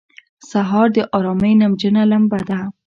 سهار د آرامۍ نمجنه لمبه ده.